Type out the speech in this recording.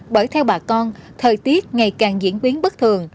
bởi theo bà con thời tiết ngày càng diễn biến bất thường